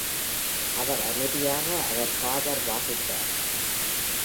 அவர் அமைதியாக அவர் பாதர் வாசித்தார்.